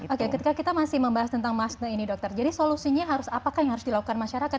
oke ketika kita masih membahas tentang masne ini dokter jadi solusinya harus apakah yang harus dilakukan masyarakat